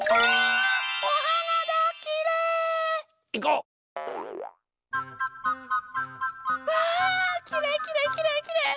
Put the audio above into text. うわきれいきれいきれいきれい。